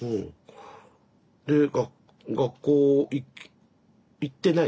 で学校行ってない？